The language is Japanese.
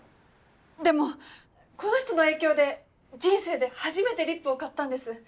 でもこの人の影響で人生で初めてリップを買ったんです。